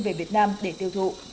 về việt nam để tiêu thụ